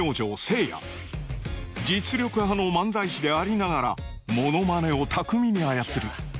実力派の漫才師でありながらモノマネを巧みに操る。